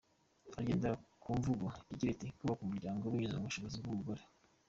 Ugendera ku mvugo igira iti “Kubaka Umuryango binyuze ku bushobozi bw’umugore”.